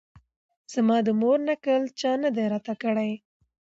زما د مور نکل چا نه دی راته کړی